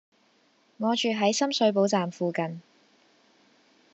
我住喺深水埗站附近